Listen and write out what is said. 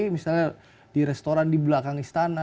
misalnya di restoran di belakang istana